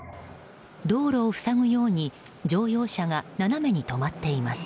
道路を塞ぐように乗用車が斜めに止まっています。